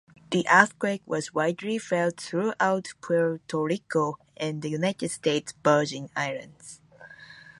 The earthquake was widely felt throughout Puerto Rico and the United States Virgin Islands.